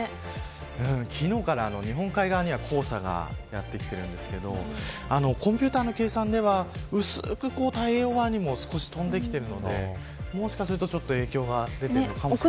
昨日から日本海側には黄砂がやってきていますがコンピューターの計算では薄く太平洋側にも少し飛んできているのでもしかすると影響が出ているのかもしれません。